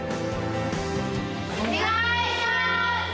お願いします！